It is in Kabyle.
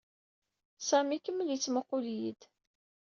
Sami ikemmel yettmuqqul-iyi-d.